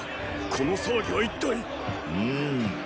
この騒ぎは一体⁉んー？